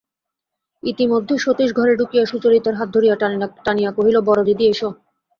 ইতিমধ্যে সতীশ ঘরে ঢুকিয়া সুচরিতার হাত ধরিয়া টানিয়া কহিল, বড়দিদি, এসো।